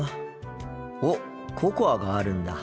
おっココアがあるんだ。